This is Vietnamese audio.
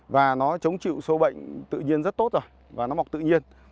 và nó chống chịu sâu bệnh tự nhiên rất tốt rồi và nó mọc tự nhiên